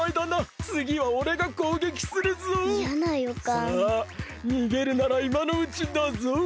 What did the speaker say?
さあにげるならいまのうちだぞ。